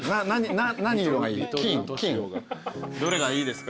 どれがいいですか？